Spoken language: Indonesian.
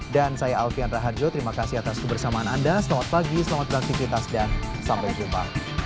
dan saya alfian rahadjo terima kasih atas kebersamaan anda selamat pagi selamat beraktifitas dan sampai jumpa